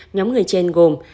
nhóm người trên gồm